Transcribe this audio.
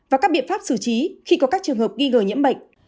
và các biện pháp xử trí khi có các trường hợp ghi gỡ nhiễm bệnh